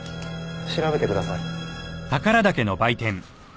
調べてください。